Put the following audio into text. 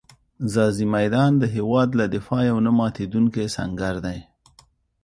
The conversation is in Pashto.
ځاځي میدان د هېواد له دفاع یو نه ماتېدونکی سنګر دی.